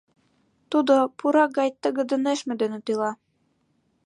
Тудо пурак гай тыгыде нӧшмӧ дене тӱла.